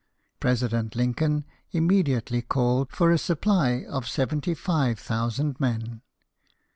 President Lincoln immediately called for a supply of seventy five thousand men.